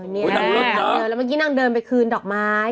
นี่แหละแล้วเมื่อกี้นั่งเดินไปคืนดอกไม้